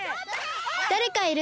だれかいる！